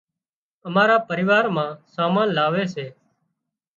امارا پريوار مان سامان لاوي سي